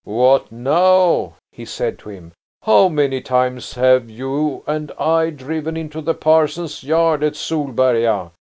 "What now?" he said to him. "How many times have you and I driven into the parson's yard at Solberga!